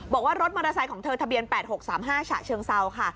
บอกว่ารถมอเตอร์ไซค์ของเธอทะเบียน๘๖๓๕ฉะเชิงเซาค่ะ